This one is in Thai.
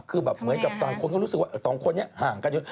คือแบบเหมือนกับต่างคนก็รู้สึกว่าสองคนนี้ห่างกันเยอะ